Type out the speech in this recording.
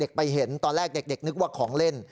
ไปเห็นตอนแรกเด็กนึกว่าของเล่น